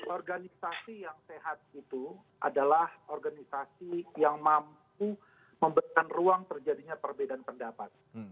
organisasi yang sehat itu adalah organisasi yang mampu memberikan ruang terjadinya perbedaan pendapat